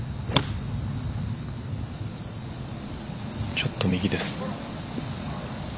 ちょっと右です。